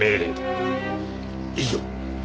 以上。